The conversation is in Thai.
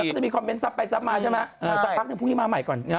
ก็ต้องมีคอมเมนสับไปซับล้าตอนนี้ก็พูดให้มาใหม่ก่อน